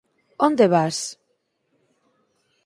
Onde vas?